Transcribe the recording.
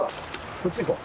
こっち行こう。